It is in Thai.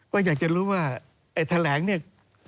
ก็อยากจะรู้ว่าไอ้แถลงเนี่ย